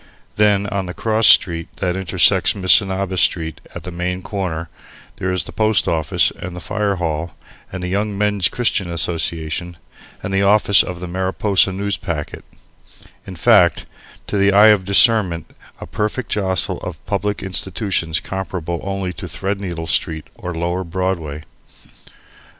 Then on the "cross" street that intersects Missinaba Street at the main corner there is the Post Office and the Fire Hall and the Young Men's Christian Association and the office of the Mariposa Newspacket, in fact, to the eye of discernment a perfect jostle of public institutions comparable only to Threadneedle Street or Lower Broadway.